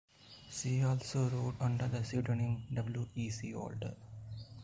She also wrote under the pseudonym W. E. C. Walter.